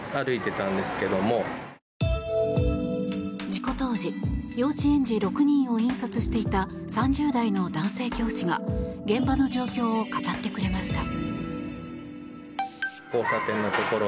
事故当時、幼稚園児６人を引率していた３０代の男性教師が現場の状況を語ってくれました。